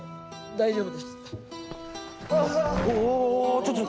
大丈夫ですか！？